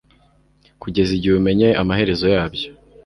kugeza igihe umenyeye amaherezo yabyo